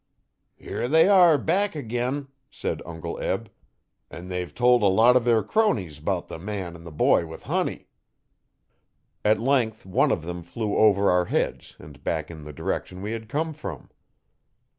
'Here they are back agin,' said Uncle Eb, 'an' they've told a lot o' their cronies 'bout the man an' the boy with honey.' At length one of them flew over our heads and back in the direction we had come from.